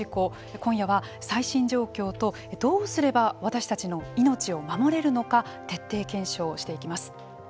決して人ごとではないどうすれば私たちの命を守れるのか徹底検証していきます。